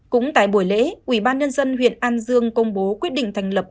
cũng tại buổi lễ ubnd huyện an dương công bố quyết định thành lập